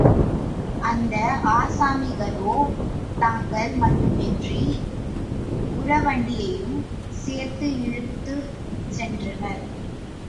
அந்த ஆசாமிகளோ, தாங்கள் மட்டுமின்றி உரவண்டியையும் சேர்த்து இழுத் துச்சென்றனர்.